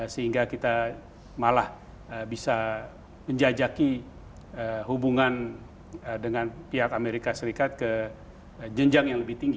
sehingga kita malah bisa menjajaki hubungan dengan pihak amerika serikat ke jenjang yang lebih tinggi